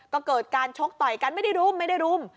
ก็เกิดการชกต่อยกันไม่ได้รุมไม่ได้รุม